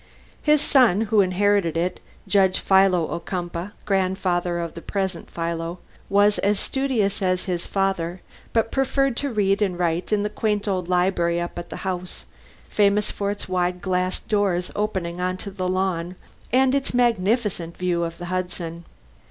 His son, who inherited it, Judge Philo Ocumpaugh, grandfather of the present Philo, was as studious as his father, but preferred to read and write in the quaint old library up at the house, famous for its wide glass doors opening on to the lawn, and its magnificent view of the Hudson.